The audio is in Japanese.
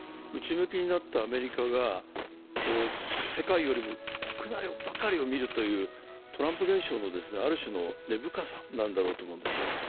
内向きになったアメリカが世界よりも国内ばかりを見るというトランプ現象のある種の根深さなんだろうと思うんです。